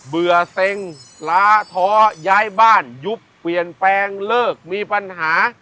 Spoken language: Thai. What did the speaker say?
เบื่อเซ็งล้าท้อย้ายบ้านยุบเปลี่ยนแปลงเลิกมีปัญหา